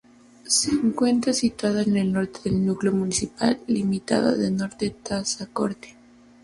Se encuentra situado al norte del núcleo municipal, limitando al norte con Tazacorte.